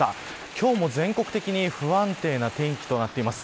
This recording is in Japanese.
今日も全国的に不安定な天気となっています。